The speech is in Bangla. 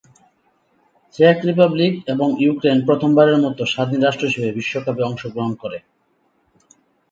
চেক রিপাবলিক এবং ইউক্রেন প্রথমবারের মত স্বাধীন রাষ্ট্র হিসেবে বিশ্বকাপে অংশগ্রহণ করে।